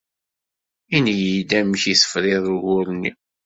Ini-yi-d amek i tefriḍ ugur nni.